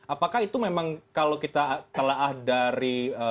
apakah itu memang kalau kita telah dari